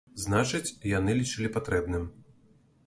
Значыць, яны лічылі патрэбным.